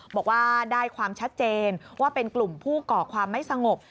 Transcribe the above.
บอกว่าได้ความชัดเจนว่าเป็นกลุ่มผู้ก่อความไม่สงบ